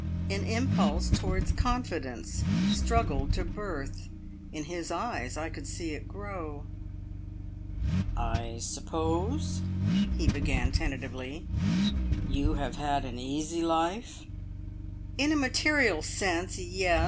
An impulse towards confidence struggled to birth. In his eyes I could see it grow. "I suppose," he began tentatively, "you have had an easy life?" "In a material sense yes!